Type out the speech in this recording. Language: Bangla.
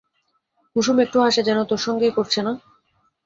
কুসুম একটু হাসে, যেন তোর সঙ্গেই করছে, না?